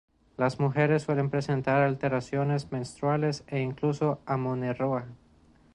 Las mujeres suelen presentar alteraciones menstruales e incluso amenorrea.